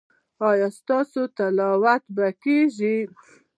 ایا ستاسو تلاوت به کیږي؟